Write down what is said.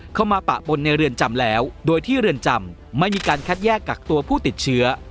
ปะปนในเรือนจำแล้วโดยที่เรือนจำไม่มีการคัดแยกกักตัวผู้ติดเชื้อ